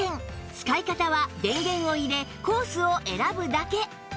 使い方は電源を入れコースを選ぶだけ